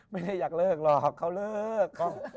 ไม่ได้อยากเลิกหรอกเขาเลิก